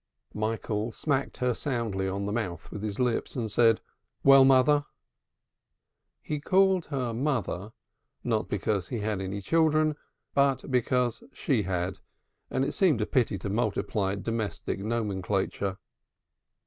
Michael smacked her soundly on the mouth with his lips and said: "Well, mother!" He called her mother, not because he had any children, but because she had, and it seemed a pity to multiply domestic nomenclature.